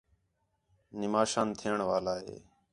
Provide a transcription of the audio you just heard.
نماشاں تھیئݨ والا ہے